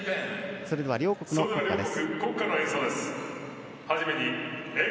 それでは両国の国歌です。